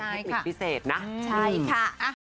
เป็นพิกษ์พิเศษนะใช่ค่ะ